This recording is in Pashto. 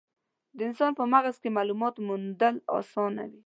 د انسان په مغز کې مالومات موندل اسانه وي.